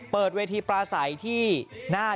เลือกไทยรับไทยยาว